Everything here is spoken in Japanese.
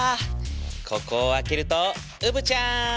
ここを開けるとうぶちゃん。